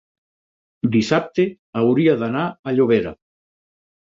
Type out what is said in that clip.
dissabte hauria d'anar a Llobera.